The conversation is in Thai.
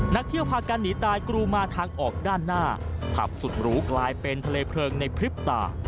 นักเที่ยวพากันหนีตายกรูมาทางออกด้านหน้าผับสุดหรูกลายเป็นทะเลเพลิงในพริบตา